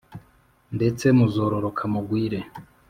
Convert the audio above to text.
Ndetse muzororoka mugwire